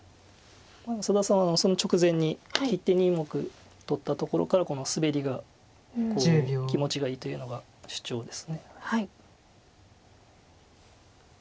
佐田さんはその直前に切って２目取ったところからこのスベリが気持ちがいいというのが主張です。